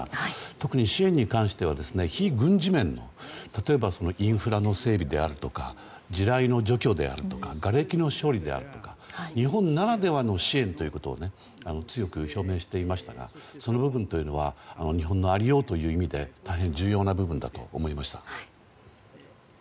特に支援に関しては、非軍事面の例えばインフラの整備であるとか地雷の除去であるとかがれきの処理であるとか日本ならではの支援ということを強く表明していましたがその部分というのは日本のありようという意味で大変重要な部分だと思いました。